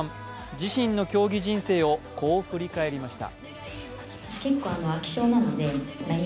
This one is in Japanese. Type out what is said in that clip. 自身の競技人生をこう振り返りました。